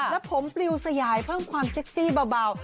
แล้วผมปลิวสยายเพิ่มความเซ็กซี่เบา